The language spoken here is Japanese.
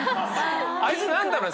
あいつ何だろう？